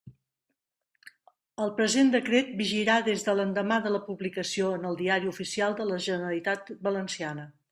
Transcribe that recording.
El present decret vigirà des de l'endemà de la publicació en el Diari Oficial de la Generalitat Valenciana.